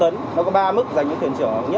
nó có ba mức dành cho thuyền trưởng